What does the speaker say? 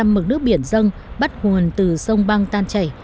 ba mươi năm mực nước biển dân bắt nguồn từ sông băng tan chảy